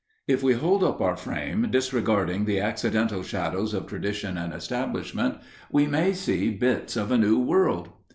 If we hold up our frame, disregarding the accidental shadows of tradition and establishment, we may see bits of a new world.